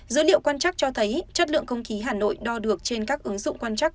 dữ liệu quan chắc cho thấy chất lượng không khí hà nội đo được trên các ứng dụng quan trắc